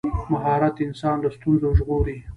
مهارت انسان له ستونزو ژغوري.